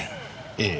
ええ。